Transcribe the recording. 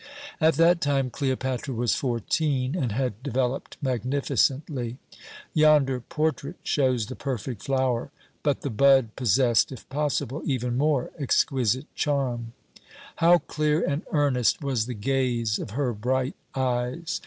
"At that time Cleopatra was fourteen, and had developed magnificently. Yonder portrait shows the perfect flower, but the bud possessed, if possible, even more exquisite charm. How clear and earnest was the gaze of her bright eyes!